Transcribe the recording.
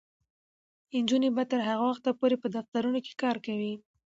نجونې به تر هغه وخته پورې په دفترونو کې کار کوي.